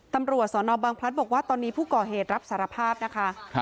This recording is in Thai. ตำรวจสนบังพลัดบอกว่าตอนนี้ผู้ก่อเหตุรับสารภาพนะคะ